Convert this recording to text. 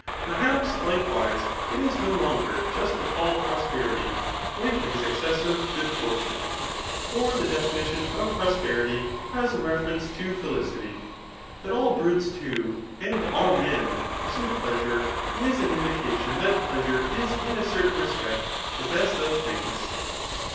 Perhaps, likewise, it is no longer just to call prosperity [when it is excessive] good fortune ; for the definition of prosperity has a reference to feUdty. That all brutes too, and all men, pursue pleasure, is an indica tion that pleasure is in a certain respect the best c^ things.